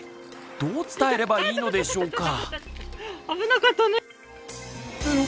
どう伝えればいいのでしょうか。